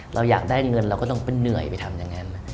เราอยากได้เงินเราก็ต้องไปเหนื่อยไปทำอย่างนั้น